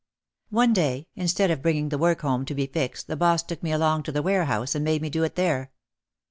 One day, instead of bringing the work home to be fixed the boss took me along to the warehouse and made me do it there.